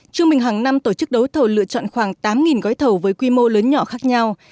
trung bình hàng năm tổ chức đấu thầu lựa chọn khoảng tám gói thầu với quy mô lớn nhỏ khác nhau